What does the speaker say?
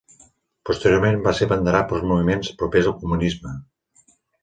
Posteriorment va ser abanderat per moviments propers al comunisme.